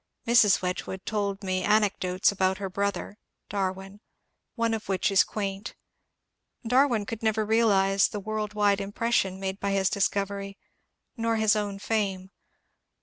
Mrs. Wedgwood told me anec dotes about her brother (Darwin), one of which is quaint Darwin could never realize the world wide impression made by his discovery, nor his own fame.